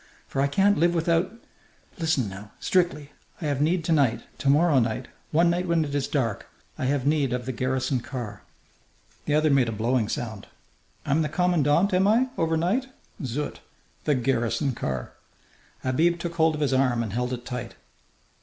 For I can't live without Listen, now! Strictly! I have need to night to morrow night one night when it is dark I have need of the garrison car." The other made a blowing sound. "I'm the commandant, am I, overnight? Zut! The garrison car!" Habib took hold of his arm and held it tight.